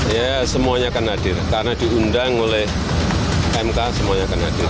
ya semuanya akan hadir karena diundang oleh mk semuanya akan hadir